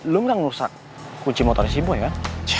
lu gak nusak kunci motor si boy kan